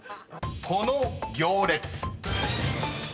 ［この行列］